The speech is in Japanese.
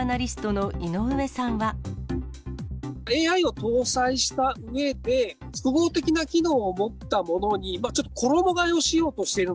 ＡＩを搭載したうえで、複合的な機能を持ったものに、ちょっと衣がえをしようとしている。